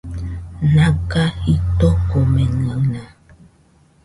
Naga jitokomenɨaɨna